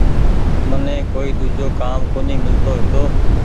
مني ڪوئي ۮوجو ڪآم ڪونيٚ ميلتو هيتو۔